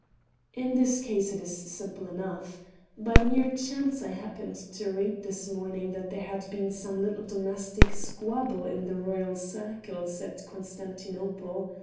"In this case it is simple enough. By mere chance I happened to read this morning that there had been some little domestic squabble in royal circles at Constantinople.